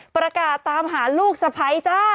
ประกาศตามหาลูกสะพ้ายจ้า